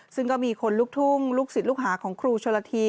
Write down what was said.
ซึ่งก็มีคนลูกทุ่งลูกศิษย์ลูกหาของครูชนละที